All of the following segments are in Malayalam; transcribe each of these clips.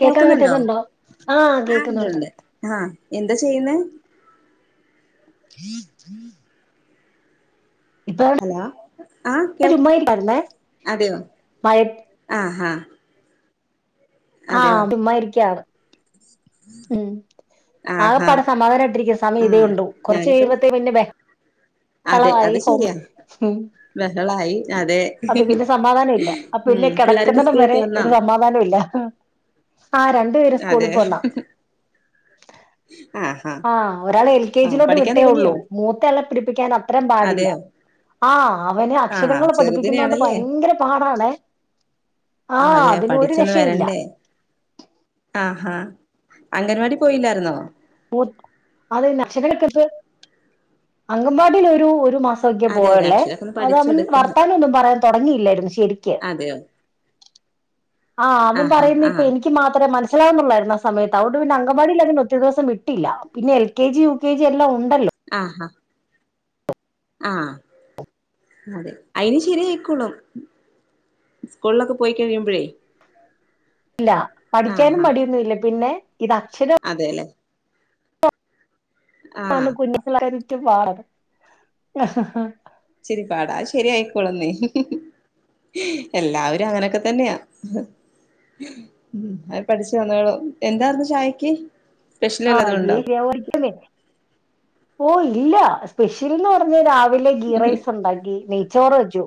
കേക്കാൻ കേൾക്കുന്നുണ്ടോ പറ്റുന്നുണ്ടോ ആഹ് ഉണ്ട് ഉണ്ട് ആഹ് എന്താ ചെയ്യുന്നേ ഇപ്പൊ ഹലോ ആഹ് കേൾ ചുമ്മാ ഇരിക്കായിരുന്നേ അതെയോ മഴ ആഹാ അതെയോ ആഹ് ചുമ്മാരിക്ക്യാണ് ഉം ആകെ ആഹാ പാടെ സമാധാനായിട്ടിരിക്കു സമയ ഇതേ ആഹ് ഒള്ളൂ കൊറച്ച് ഞാനിപ്പോ കഴിയുമ്പോത്തേ പിന്നെ വെ അതെ കളവായി അത് ഹൊം ശരിയാ ഉം ബഹളായി അതെ അത് പിന്നെ സമാധാനം ഇല്ലാ അഹ് ഉം പിന്നെ പിള്ളോരൊക്കെ കിടക്കുന്നടം സ്കൂൾ വിട്ട് വരെ വന്നോ ഒരു സമാധാനും ഇല്ല ആഹ് രണ്ടു പേരും സ്കൂളിൽ പോന്നാ ആഹ് ആഹ് ആഹ് ഒരാളെ എൽ കെ ജിലോട്ട് പഠിക്കാൻ വിട്ടേ തുടങ്ങിയോ ഒള്ളൂ മൂത്താളെ പടിപ്പിക്കാൻ അത്രേം പാടില്ല അതെയോ ആഹ് അവന് ആഹ് അക്ഷരങ്ങള് പഠിപ്പിക്കുന്നോണ്ട് ചെറുതിനെയാണല്ലേ ഭയങ്കര പാടാണേ ആഹ് അതെ അതിന് ഒരു പഠിച്ചൊന്ന് രക്ഷേം ഇല്ല വരണ്ടേ ആഹാ അംഗൻവാടി പോയില്ലായിരുന്നോ മൂത് അതെന്നെ അക്ഷരം കിട്ടിയോട്ത് അങ്കൻമ്പാടീൽ ഒരു ഒരു മാസം ക്കൊ അതെ അതെ പോയൊള്ളേ അക്ഷരൊക്കെ ഒന്ന് അത് അവൻ പഠിച്ചെടുക്കണം വർത്താനം ഒന്നും പറയാൻ തുടങ്ങിയില്ലായിരുന്നു ശെരിക്ക് അതെയൊ ആഅവൻ പറയുന്നിപ്പൊ ആഹ് എനിക്ക് മാത്രേ മനസ്സിലാവുന്നൊള്ളായിരുന്നു ആ സമയത്ത് അതൊണ്ട് പിന്നെ അംഗൻവാടിലങ്ങനെ ഒറ്റ ദിവസം വിട്ട് ട്ടില്ല പിന്നെ L K G U K G എല്ലാം ഉണ്ടല്ലോ ആഹ് ആഹ് ആഹ് അതെ ഐനി ശെരിയായിക്കോളും സ്കൂളിലൊക്കെ പോയി കഴിയുമ്പഴേ ഇല്ലാ പഠിക്കാനും മടിയൊന്നും ഇല്ല പിന്നെ ഇതക്ഷര അതേലേ ആണ് ആഹ് കുഞ്ഞി പിള്ളേരെ [unintelligible] റ്റ് പാട് ച്ചിരി പാടാ അത് ശെരിയായിക്കോളെന്നേ എല്ലാവരും അങ്ങനെയൊക്കെ തന്നെയാ ഉം അത് പഠിച്ചു വന്നോളും എന്താര്ന്നു ചായക്ക് സ്പെഷ്യൽ ആഹ് വല്ലതും ഉണ്ടോ [unintelligible] ഓഹ് ഇല്ലാ സ്പെഷ്യൽന്ന് പറഞ്ഞ് രാവിലെ ഗീ റൈസുണ്ടാക്കി നെയ്ച്ചോറ് വെച്ചു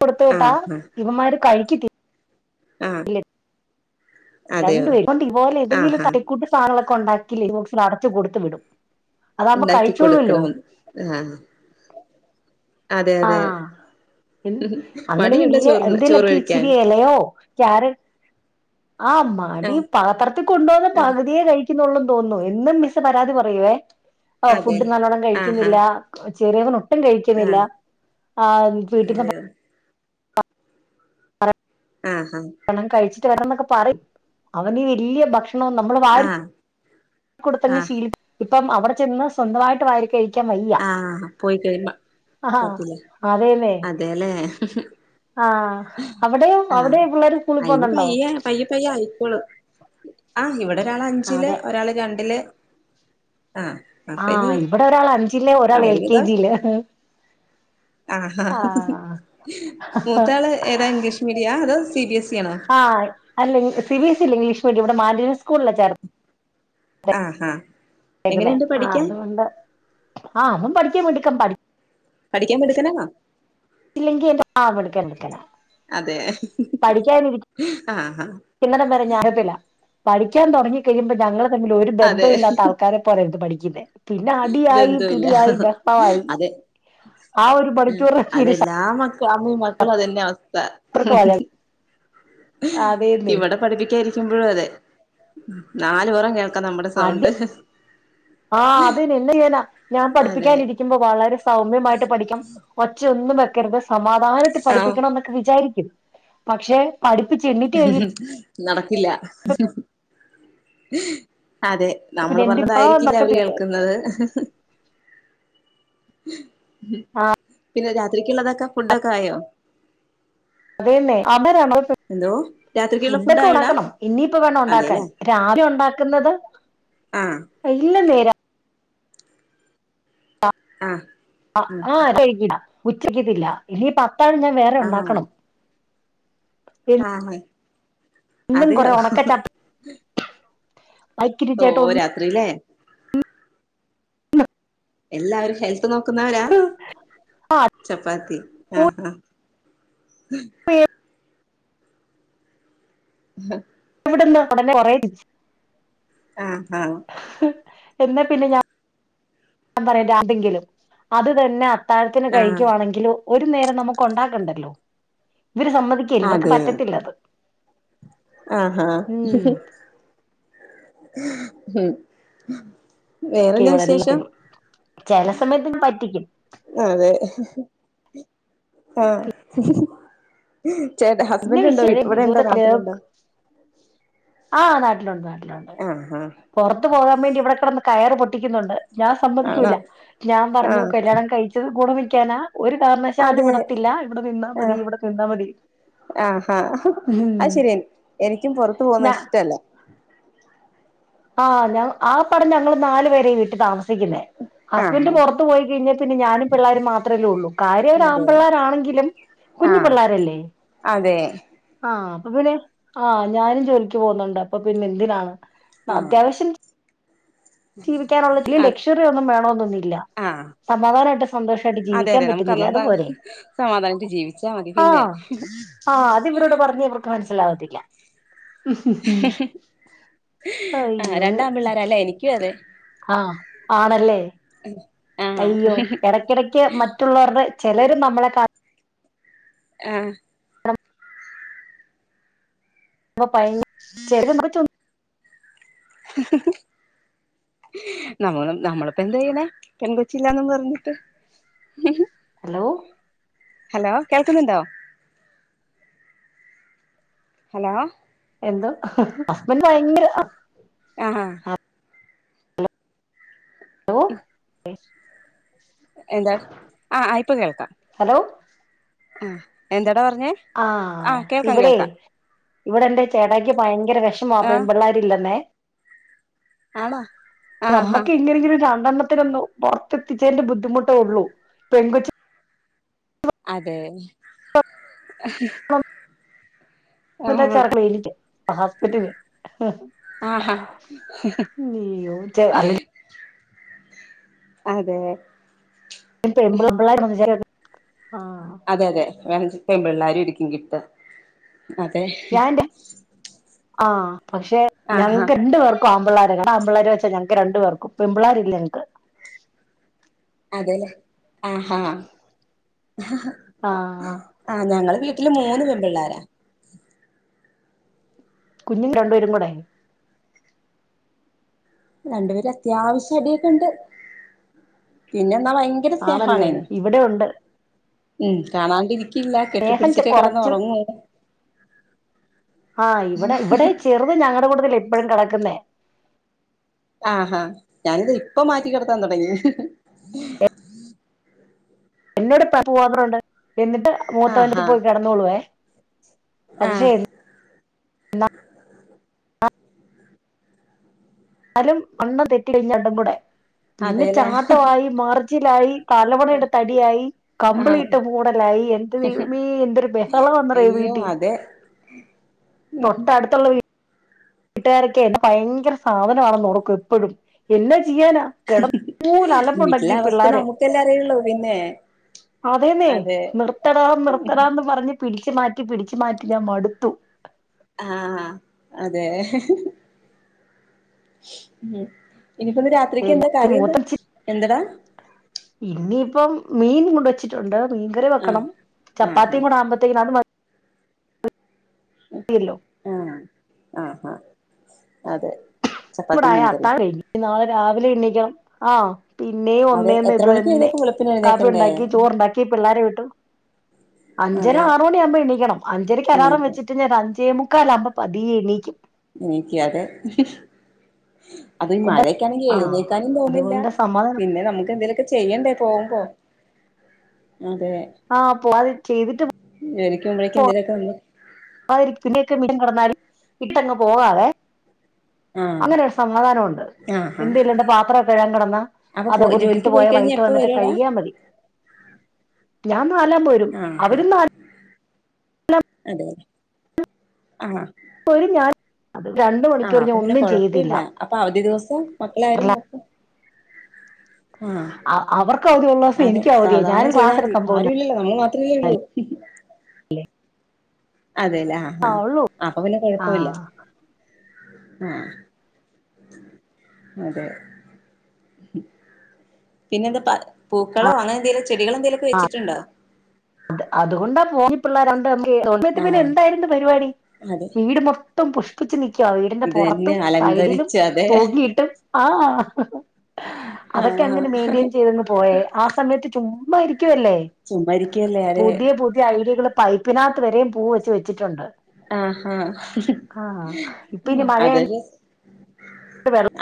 കൊടുത്തു വിട്ടാ ആഹ് ആഹ് ഇവന്മാര് കഴിക്കത്ത് ആഹ് അതെയോ രണ്ടു പേര് ണ്ടി തിപോലെ എന്തേങ്കിലും ആഹാ തട്ടിക്കൂട്ട് സാനങ്ങളൊക്കെ ഒണ്ടാക്കി ലഞ്ച്ബോക്സിൽ അടച്ച് കൊടുത്ത് വിടും അതാവുമ്പ ഉണ്ടാക്കി കഴിച്ചോള്ളൂല്ലോ കൊടുക്കണം ആഹ് അതെ അതെ ആഹ് അങ്ങനെ മടിയുണ്ടോ വല്യ ചോറുണ്ണാൻ ചോറ് എന്തെലൊക്കെ കഴിക്കാൻ ഇച്ചിരി ഇലയോ കാര്യ ആഹ് മടി ആഹ് പാത്രത്തിൽ കൊണ്ടോണ ആഹ് പകുതിയെ കഴി ക്കുന്നുള്ളൂ തോന്നുന്നു എന്നും മിസ്സ് പരാതി പറയുവേ ഹോ അതെ ഫുഡ് നല്ലോണ്ണം ആഹാ കഴിക്കുന്നില്ല ചെറിയവൻ ഒട്ടും കഴിക്കുന്നില്ല ആഹ് ആ വീട്ടിത്തെ ഭക്ഷ അതെയോ ആഹ് ഹാ ഭക്ഷണം കഴിച്ചിട്ട് വരാന്നൊക്കെ പറയും അവന് വല്യ ഭക്ഷണ ണം നമ്മൾ വായിൽ ആഹ് കൊടുത്തന്നെ ആഹ് ശീലി ഇപ്പം അവിടെ ചെന്ന് സ്വന്തമായിട്ട് വാരി കഴിക്ക ആഹ് പോയി കഴിമ്പ [unintelligible] അതേലേ അതേല്ലേ അവിടെയോ അവിടെ ആഹ് പിള്ളേര് സ്കൂളിൽ അയിനി പോന്നുണ്ടോ പയ്യേ പയ്യേ പയ്യേ ആയിക്കോളും ആഹ് ഇവിടെ ഒരാള് അഞ്ചില് അതെ ഒരാള് രണ്ടില് ആഹ് അപ്പ ഇനി ആഹ് ഇവിടെ ഒരാൾ അഞ്ചില് ഒരാൾ എൽ കെ അവര്ക്കിതാ ജിയില് ആഹ് ആഹ് മൂത്ത ആള് ഏതാ ഇംഗ്ലീഷ് മീഡിയ അതോ സി ബി എസ് ഇ ആണോ ആഹ് അല്ല സി ബി എസ് ഇല്ല ഇംഗ്ലീഷ് മീഡിയം ഇവിടെ മാലിനി സ്കൂളില ചേർത്ത ആഹ് ആഹ് ക്കുന്നേ ആ അതുകൊണ്ട് ആ അവൻ പഠിക്കൻ മിടുക്കാ പഠി പഠിക്കാൻ മിടുക്കണാന്നോ അല്ലെങ്കി എന്റെ ആ മിടുക്കെനാ മിടുക്കനാ അതെ പഠിക്കാനിരിക്കുന്നിടം ആഹ് ആഹ് [unintelligible] പഠിക്കാൻ തുടങ്ങി കഴിയുമ്പോ ഞങ്ങൾ തമ്മിൽ ഒരു അതെ ബന്ധവും ഇല്ലാത്ത ആൾക്ക ആക്കാരെ പോലെണ്ട് പഠിക്കുന്ന പിന്നെ അടിയായി ബന്ധവില്ല പിടിയായി ബഹളമായി അതെ ആ ഒരു മണിക്കൂർ [unintelligible] അതെല്ലാ [unintelligible] മക്കളും അതന്നെ അവസ്ഥ ശത്രുക്കളാ ഞ അതേന്നെ ഇവിടെ പഠിപ്പിക്കാനിരിക്കുമ്പോഴും അതെ നാലപുറം കേൾ ഇക്ക നമ്മുടെ അടി സൗണ്ട് എന്ത്യ്യാനാ ഞാൻ അതെ പഠിപ്പിക്കാനിരിക്കുമ്പോ വളരെ സൗമ്യമായിട്ട് പഠിക്കും ഒച്ച ഒന്നും വെക്കരുത് സമാധാനത്തിൽ ആഹ് പഠിപ്പിക്കണം എന്നൊക്കെ വിചാരിക്കും പക്ഷെ പഠിപ്പിച്ചിണ്ണി നടക്കില്ല അതെ നമ്മള് പിന്നെ എന്റെ പറഞ്ഞതായിരിക്കില്ല അവര് ആഹ് കേൾക്കുന്നത് ഉം പിന്നെ രാത്രിക്കുള്ളതൊക്കെ ഫുഡൊക്കെ ആയോ അതെന്നേ അവ്ടെ രണ്ട് എന്തോ രാത്രിക്കുള്ള ഫുഡ്ഡ് ഫുഡ് ഒക്കെ ആയോടാ ഉണ്ടാക്കണം ഇനിയിപ്പോ വേണം ഉണ്ടാക്കാൻ അതെല്ലേ രാവിലെ ഉണ്ടാക്കുന്നത് ആഹ് ഇല്ല നേരാ ആഹ് അഹ് ആഹ് ഇതെയ്കിട ഉച്ചയ്ക്കത്തില്ല ഇനിപ്പ അത്താഴം ഞാൻ വേറെ ആഹ് ഉണ്ടാക്കണം ആന്നെ ഇന്നും കുറേ ഉണക്കച്ചപ്പ് ഓഹ് രാത്രിലേ എല്ലാവരും ഹെൽ ത്ത് നോക്കുന്നവരാ ചപ്പാത്തി അഹ് ആഹ് പേ ഉമ്മ ഇവിടന്ന് ഉടനെ കുറേ ചിരിച് ആഹ് ആഹ് എന്നാ പിന്നെ ഞാൻ ഞാൻ പറയാന്തെങ്കിലും അത് തന്നെ അതാഴത്തിന് ആഹ് ആഹ് കഴിക്കുവാണെങ്കിലും ഒരു നേരം നമുക്ക് ഒണ്ടാക്കണ്ടല്ലോ ഇവര് സമ്മതി ക്കേല് ഇവർക്ക് പറ്റത്തില്ലത് ആഹ് ആഹ് ഉം വേറെന്താ വിശേഷം ഇന്നട്ട് പിന്നെ പറ്റിക്കും അതെ ആഹ് ചേട്ടാ പിന്നെ ഹസ്ബന്റ് ഉണ്ടോ വീട്ട് വിഷയം ഇവിടെ ഉണ്ടോ നാട്ടിലുണ്ടോ ആഹ് നാട്ടിലുണ്ട് നാട്ടിലുണ്ട് ആഹ് ആഹ് പൊറത്ത് പോകാൻ വേണ്ടി ഇവിടെക്കിടന്ന് കയറ് പൊട്ടിക്കുന്നുണ്ട് ഞാൻ ആണോ സമ്മതിക്കൂല്ല ഞാൻ പറഞ്ഞു ആഹ് കല്യാണം കഴിച്ചത് കൂടെ നിക്കാനാ ഒരു കാരണവശാലും അതെ വിടത്തില്ല ഇവിടെ നിന്നാ മതി ഇവിടെ നിന്നാ മതീ ആഹ് ഹാ അതു ശരിയാ എനിക്കും പൊറത്തു പോകുന്നത് ഞാൻ ഇഷ്ട്ടല്ല ആഹ് ഞാ ആകപ്പാടെ ഞങ്ങള് നാലുപേര ഈ വീട്ടി താമസിക്കുന്നേ ഹസ്ബന്റെ ആഹാ പൊറത്തു പോയി കഴിഞ്ഞാ പിന്നെ ഞാനും പിള്ളേരും മാത്രല്ലേ ഉള്ളൂ കാര്യം അതെ അവരാമ്പിള്ളേരാണെങ്കിലും കുഞ്ഞു പിള്ളാരല്ലേ അതേ ആഹ് അപ്പ പിന്നെ ആഹ് ഞാനും ജോലിക്ക് പോകുന്നുണ്ട് അപ്പ പിന്നെ എന്തിനാ ആഹ് അത്യാവശ്യം ജീവിക്കാനുള്ള ഇല്ല്യ അത് ലക്ഷ്റി ഒന്നും വേണന്നൊന്നുല്ല ആഹ് സമാധാനായിട്ട് സന്തോഷായിട്ട് അതെ ജീവിക്കാൻ അതെ നമുക്ക് പറ്റുന്നില്ലേ അതൊന്ന് അതുപോരേ സമാധാനായിട്ട് ജീവിച്ചാ മതി പിന്നെ ആഹ് ആഹ് അത് ഇവരോട് പറഞ്ഞാ ഇവർക്ക് മനസ്സിലാവത്തില്ല ആഹ് അയ്യോ രണ്ടാൺ പിള്ളേരല്ലേ എനിക്കും ആഹ് ആണല്ലേ ഉം അയ്യോ എടയ്ക്കെടയ്ക്ക് മറ്റുള്ളവരുടെ ചിലരു നമ്മളെ കാ ആഹ് [unintelligible] [unintelligible] നമ്മള് നമ്മളിപ്പ എന്താ ചെയ്യണേ പെൺ കൊച്ചില്ലാന്നും പറഞ്ഞിട്ട് ഹലോ ഹലോ കേൾക്കുന്നുണ്ടോ? ഹലോ എന്തോ ഹസ്ബന്റ് ഭയങ്കര ആഹാ ഓഹ് എന്താ ആഹ് ഇപ്പം കേൾക്കാം ഹലോ ആഹ് എന്താടാ പറഞ്ഞേ ആ ആഹ് കേൾക്കാം ഇവിടേയ് കേൾക്കാം ഇവിടെന്റെ ചേട്ടായ്ക്ക് ഭയങ്കര വെഷമാ ആ പെമ്പിള്ളേര് ഇല്ലന്നേ ആണോ ആഹാ നമ്മക്ക് ഇല്ലെങ്കിലും രണ്ടെണ്ണത്തിന് ഒന്നു പുറത്തെത്തിച്ചതിന്റെ ബുദ്ധിമുട്ടേ ഒള്ളൂ പെൺകൊച്ച് അതേയ് [unintelligible] ഹസ്ബന്റിന് ആഹാ ഇയ്യോ [unintelligible] അതേയ് ഈ [unintelligible] അതെ അതെ വേ പെമ്പിള്ളേരും ഇരിക്കും കിട്ട് അതെ ഞാനെന്റെ ആഹ് പക്ഷെ ആഹാ ഞങ്ങക്ക് രണ്ടു പേർ ക്കും ആമ്പിള്ളാരാ രണ്ടാമ്പിള്ളാരു വച്ചാ ഞങ്ങക്ക് രണ്ട് പേർക്കും പെമ്പിള്ളേരില്ല ഞങ്ങക്ക് അതേല്ലേ ആഹാ ആഹ് ആഹ് ഞങ്ങള് വീട്ടില് മൂന്ന് പെൺ പിള്ളാരാ കുഞ്ഞും രണ്ടേരും കൂടെ രണ്ടുപേരും അത്യാവശ്യം ഇടിയൊക്കെ ഉണ്ട് പിന്നെന്താ ഭയ ആണല്ലേ ഇവിടെ ഉണ്ട് ഉം കാണാണ്ടിരിക്കില്ല സ്നേഹം ചെ- കെട്ടിപ്പിടിച്ചിട്ടേ കിടന്ന് കുറച്ചും ഉറങ്ങൂ ആഹ് ഇവിടെ ഇവിടെ ചെറുത് ഞങ്ങടെ കൂട്ടത്തിൽ ഇപ്പഴും കെടക്കുന്നേ ആഹാ ഞാനിതാ ഇപ്പം മാറ്റി കിടത്താൻ തുടങ്ങി എന്നോട് [unintelligible] ണ്ട് എന്നിട്ട് മൂത്തവന്റെ അടുത്ത് ആഹാ പോയി കിടന്നോളുവേ പക്ഷെ ആഹ് എന്നാലും അണ്ണം തെറ്റി കഴിഞ്ഞാ രണ്ടും കൂടെ പിന്നെ അതെല്ലേ ചാട്ടവായി മറിച്ചിലായി തലവണ എടുത്ത് അടിയായി കമ്പിളി ആഹ് ഇട്ട് മൂടലായി എന്റെ ദൈവമേ എന്തൊരു ബഹളവെന്നറിയോ ഈ വീട്ടിൽ ഉം തൊട്ടടുത്തുള്ള വീ ട്ടുകാരൊക്കെ ഭയങ്കര സാധനമാണെന്ന് ഓർക്കും എപ്പഴും എന്നാ ചെയ്യാനാ കിടന്നൂല വീട്ടിലെ അലമ്പുണ്ടാക്കി ഈ അവസ്ഥ പിള്ളാര് നമുക്കല്ലേ അറിയുള്ളൂ പിന്നെ അതേന്നെ അതെ നിർത്തടാ നിർത്തടാന്ന് പറഞ്ഞ് പിടിച്ചു മാറ്റി പിടിച്ചു മാറ്റി ഞാൻ മടുത്തു ആഹ് അതേ ഉം ഇനിപ്പോ രാത് ഇപ്പോ മൂത്തച്ചി ഇനിയിപ്പം മീൻ കൊണ്ടുവച്ചി ഉണ്ട് മീൻ കറി ആഹ് വെക്കണം ആഹ് ചപ്പാത്തിയും കൂടെ ആവുബത്തേക്കും അത് മതി മതിയല്ലോ ആഹ ആഹ ആഹ അതെ ചപ്പാത്തി കൂടായ മീൻകറി അത്താഴം കഴിഞ്ഞ് ഇനി നാളെ രാവിലെ എണ്ണിക്കണം ആഹ് പിന്നെയും അതെ ഒന്നേന്ന് എത്ര ഇത് മണിക്ക് തന്നെ എഴുന്നേക്കും വെളുപ്പിന് കാപ്പി എഴുന്നേക്കണ്ടേ ഉണ്ടാക്കി ചോറുണ്ടാക്കി പിള്ളാരെ വിട്ടു അഞ്ചര അതെ ആറു മണിയകുമ്പോ എണീക്കണം അഞ്ചരക്ക് അലാറം എണീക്കും വെച്ചിട്ട് പിന്നെ ഒരു അഞ്ചേ മുക്കാല് ആവുമ്പോഴേക്കും പതിയെ എണീക്കും എനിക്ക് അതെഹിഹി അത് ഒമ്പത് മഴയൊക്കെ ആണെങ്കിൽ എഴുന്നേ ആഹ് ക്കാനും തോന്നുന്നില്ല അതുകൊണ്ട് സമാധാനം പിന്നെ നമുക്ക് എന്തെലൊക്കെചെ ചെയ്യണ്ടേ പോകുമ്പോ അതെ ആഹ് പോവാത് ചെയ്തിട്ട്പോ എനിക്കും മ്പോളേക്കും എത്തേലൊക്കെ വന്നു [unintelligible] കടന്നാലും ഇട്ടങ്ങ് പോവാതെ ആഹ് അങ്ങനെ ഒരു സമാധാനം ഉണ്ട് ആഹ് ഹാ എന്തേലുണ്ടേ പാത്രം ഒക്കെ കഴുകാൻ കിടന്നാ അപ്പൊ പോ അതതുപോലെ ഇട്ടിട്ട് ജോലിക്ക് പോയി പോയാ കഴിഞ്ഞാ വൈകിട്ട് എപ്പ വന്നിട്ട് വരുവെടാ കഴികിയാൽ മതി ഞാൻ നാലാം പോരും ആഹ് ഹാ അവരുംനാൽ അതെ ആ പ്പോഴും ഞാൻ അത് [inaudible] രണ്ട് മണിക്കൂർ ഞാൻ അപ്പൊ പിന്നെ ഒന്നും ചെയ്യതില്ല കൊഴപ്പവില്ല അപ്പൊ അവധി ദിവസം മക്കളെ ആര് നോക്കും ആഹ അവർക്ക് അവധി ഉള്ള ദിവസം അതെ എനിക്കും അവധിയാ സാവദാനം ഞാനും ചെയ്താ ക്ലാസ് മതി എടുക്കാൻ പോകുന്ന ആരുല്ലല്ലോ നമ്മൾ മാത്രല്ലേ ഉള്ളൂഹിഹി അതേലെ ആ ആഹ അപ്പൊ പിന്നെ ആ കൊഴപ്പില്ല ആഹ അതെ പിന്നെ എന്താ പറ് ആ പൂക്കളം ആണ് എന്തേലും ചെടികൾ എന്തെലുമൊക്കെ വെച്ചിട്ടുണ്ടോ അതുകൊണ്ടാ പോന്നി പിള്ളേരോണ്ടെങ്കി [unintelligible] പിന്നെ ആഹ് എന്തായിരുന്നു പരിപാടി അതെ വീടുംമോ മൊത്തോം പുഷ്പിച്ച് നിക്കുവാ വീടിന്റെ ഇത് തന്നെ പുറത്തും സൈഡിലും അലങ്കരിച്ച് അതെ തൂങ്ങിയിട്ടും ആഅഹ് അതൊക്കെ ആഹ് അങ്ങനെ മെയിന്റെയിൻ ചെയ്തങ്ങ് പോയേ ആ സമയത്ത് ചുമ്മായിരിക്കുവല്ലേ ചുമ്മായിരിക്കുവല്ലേ ആരെ ഈ ഐഡികള് പൈപ്പിനാത്ത് വരേയും പോവോ ചോയിച്ചിട്ടുണ്ട് ആ ആഹ ഹ ഇപ്പ ഇനി ഹ അതല്ല മഴയണ്ട്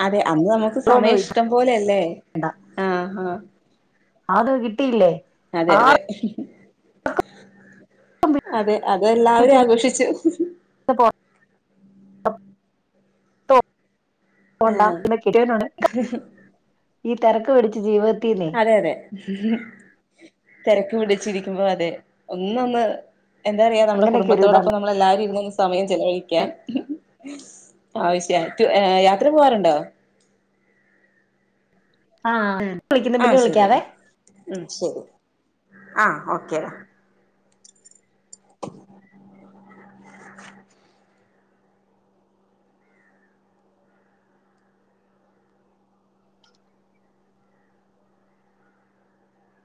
അതെ അന്ന് നമുക്ക് വെള്ളമൊന്നും സമയം ഒഴിക്കും ഇഷ്ടം പോലെ അല്ലെ ആഹ് ആഹ അതും കിട്ടിയില്ലേ അതെ ആർ അതെ.... അതെ അതെല്ലാവരും ആഘോഷിച്ചു ഹ്ഹ്ഹ്.. പ്പോ [inaudible] പോണ്ട ആഹ് എന്ന കിട്ടിയന്നണ് [unintelligible] ഈ തിരക്ക് പിടിച്ച ജീവിതത്തീന്ന് അത അതെ ഹെഹെ തിരക്ക് പിടിച്ചി രിക്കുമ്പോ അതെ ഒന്നന്ന് എന്താറയ നമ്മുടെ അങ്ങനെയൊക്കെ ഒരു ഇതാണ് കുടുംബത്തോടൊപ്പം നമ്മൾ എല്ലാരും ഇരുന്നും സമയം ചെലവഴിക്കാൻഹിഹി ആവശ്യയാത് ഏയ് യാത്ര പോവാറുണ്ടോ ആ ഉം ആ ശെരി ടാ ഉം ശെരി ആ ഓക്കേ